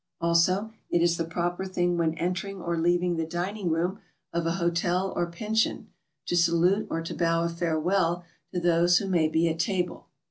Also, it is the proper thing when entering or leaving the dining room of a hotel or pension, to salute or to bow a farewell to those who may be at table.